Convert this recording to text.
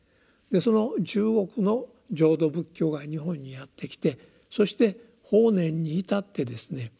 その中国の「浄土仏教」が日本にやって来てそして法然に至ってですね